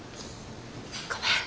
ごめん。